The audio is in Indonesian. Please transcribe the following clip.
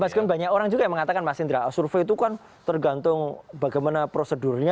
meskipun banyak orang juga yang mengatakan mas indra survei itu kan tergantung bagaimana prosedurnya